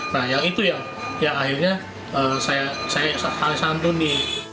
nah yang itu yang akhirnya saya santuni